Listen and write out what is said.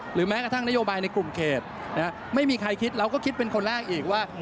แม้กระทั่งนโยบายในกลุ่มเขตไม่มีใครคิดเราก็คิดเป็นคนแรกอีกว่า